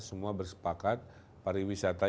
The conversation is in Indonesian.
semua bersepakat pariwisata